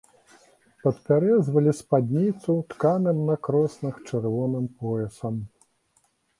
Падпяразвалі спадніцу тканым на кроснах чырвоным поясам.